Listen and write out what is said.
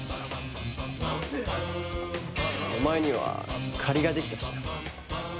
お前には借りができたしな。